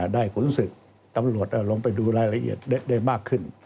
ได้กลุ่นศึกตัวประโยชน์ลงไปดูรายละเอียดได้มากขึ้น